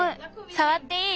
さわっていい？